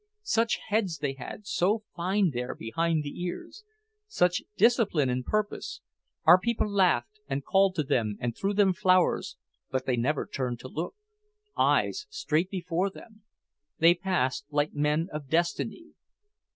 Such heads they had, so fine there, behind the ears. Such discipline and purpose. Our people laughed and called to them and threw them flowers, but they never turned to look... eyes straight before. They passed like men of destiny."